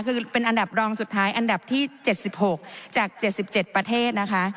คือเป็นอันดับรองสุดท้ายอันดับที่๗๖จาก๗๗ประเทศนะคะ